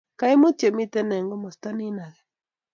kaimutik chemiten eng' kimasta nin age